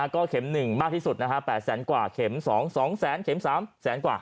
ก็เข็ม๑มากที่สุดนะฮะ๘๐๐๐๐๐๐กว่าเข็ม๒๒๐๐๐๐๐เข็ม๓แสนกว่า